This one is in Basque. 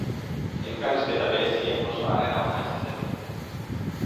Elkarrizketa bereziek oso harrera ona izaten dute.